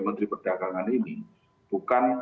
menteri perdagangan ini bukan